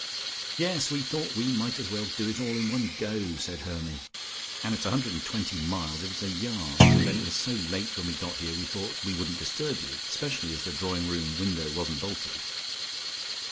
"Yes, we thought we might as well do it all in one go," said Hermy, "and it's a hundred and twenty miles, if it's a yard. And then it was so late when we got here, we thought we wouldn't disturb you, specially as the drawing room window wasn't bolted."